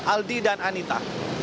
aldi dan anita